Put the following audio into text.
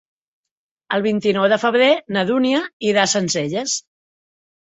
El vint-i-nou de febrer na Dúnia irà a Sencelles.